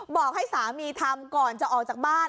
บอกให้สามีทำก่อนจะออกจากบ้าน